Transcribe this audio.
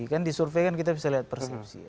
kan disurveikan kita bisa lihat persepsi